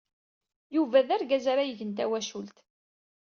Yuba d argaz ara igen tawacult.